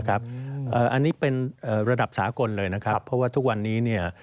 อันนี้เป็นระดับสากลเลยนะครับเพราะว่าทุกวันนี้เนี่ย